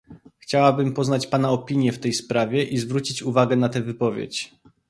Chciałabym poznać pana opinię w tej sprawie i zwrócić uwagę na tę wypowiedź